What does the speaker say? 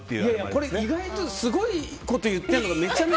これ、意外とすごいこと言ってるから。